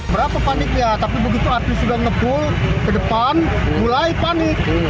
berapa paniknya tapi begitu api sudah ngepul ke depan mulai panik